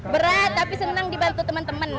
berat tapi senang dibantu teman teman